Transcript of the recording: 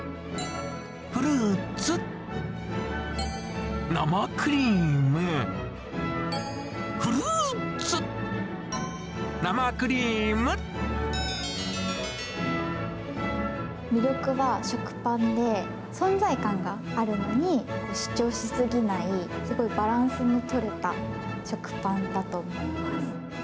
フルーツ、生クリーム、フルーツ、魅力は食パンで、存在感があるのに、主張し過ぎない、すごいバランスの取れた食パンだと思います。